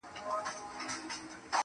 هغه چي هيڅوک نه لري په دې وطن کي.